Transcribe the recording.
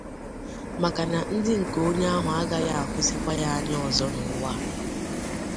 maka na ndị nke onye ahụ agaghị ahụzịkwa ya anya ọzọ n'ụwa a.